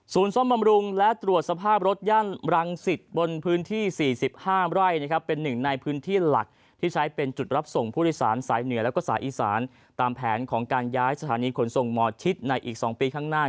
ซ่อมบำรุงและตรวจสภาพรถย่านรังสิตบนพื้นที่๔๕ไร่นะครับเป็นหนึ่งในพื้นที่หลักที่ใช้เป็นจุดรับส่งผู้โดยสารสายเหนือแล้วก็สายอีสานตามแผนของการย้ายสถานีขนส่งหมอชิดในอีก๒ปีข้างหน้า